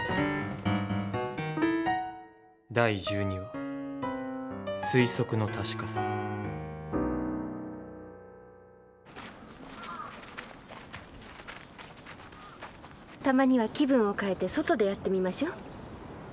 第１２話たまには気分を変えて外でやってみましょ。